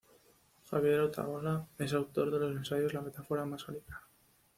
Javier Otaola es autor de los ensayos "La Metáfora masónica.